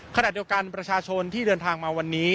ขณะเดียวกันประชาชนที่เดินทางมาวันนี้